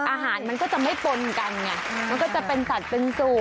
มันก็จะไม่ปนกันไงมันก็จะเป็นสัตว์เป็นสูตร